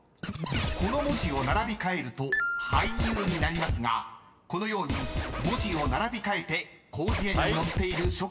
［この文字を並び替えると「俳優」になりますがこのように文字を並び替えて広辞苑に載っている職業を答えろ］